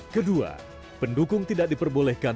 kedua pendukung tidak diperkenankan